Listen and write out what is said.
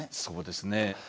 そうですね。